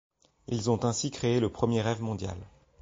Ils ont ainsi créé le premier rêve mondial.